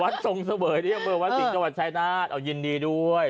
วัดทรงเสบยวัดศิษย์จังหวัดชายนาฏเอายินดีด้วย